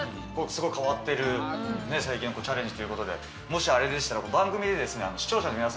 すごい変わってる成形にチャレンジということでもしあれでしたら番組で。